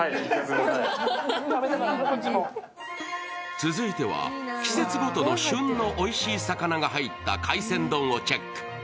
続いては、季節ごとの旬のおいしい魚が入った海鮮丼をチェック。